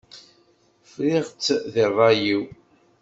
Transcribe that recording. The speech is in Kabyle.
Friɣ-tt di ṛṛay-iw.